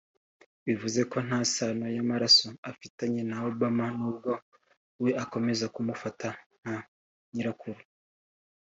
bivuze ko nta sano y’amaraso afitanye na Obama n’ubwo we akomeza kumufata nka nyirakuru